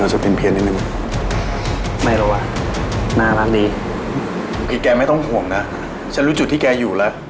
โอเคแกไม่ต้องห่วงนะฉันรู้จุดที่แกอยู่แล้ว